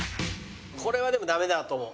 これはでもダメだと思う。